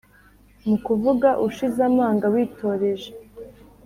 mu kuvuga ushize amanga witoreje